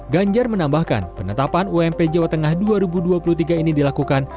ganjar menambahkan penetapan ump jawa tengah dua ribu dua puluh tiga ini dilakukan